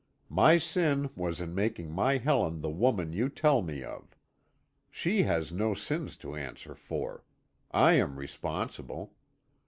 My sin was in making my Helen the woman you tell me of. She has no sins to answer for. I am responsible.